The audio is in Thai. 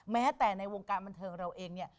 แม้แต่ในวงการบันเทิงเราเองเนี่ย